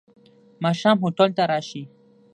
ماښام هوټل ته راشې.